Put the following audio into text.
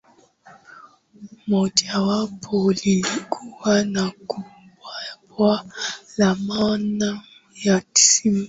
mojawapo lilikuwa na bwawa la mamba na simba wa